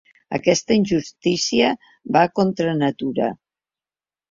Aquesta injustícia va contra natura.